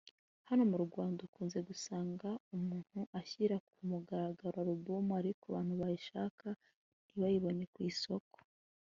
Hano mu Rwanda ukunze gusanga umuntu ashyira ku mugaragaro album ariko abantu bayishaka ntibayibone ku isoko